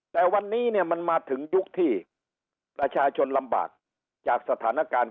แต่วันนี้เนี่ยมันมาถึงยุคที่ประชาชนลำบากจากสถานการณ์